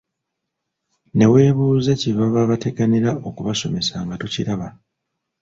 Ne weebuuza kye baba bateganira okubasomesa nga tokiraba!